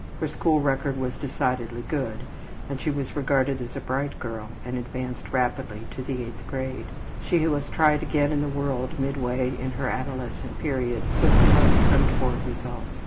Her school record was decidedly good; she was regarded as a bright girl, and advanced rapidly to the eighth grade. She was tried again in the world midway in her adolescent period with the most untoward results.